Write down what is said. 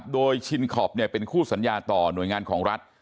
โดยชินคอปเป็นคู่สัญญาต่อหน่วยงานของรัฐ